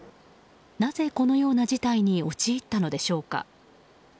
なぜこのような事態に陥ったのでしょうか。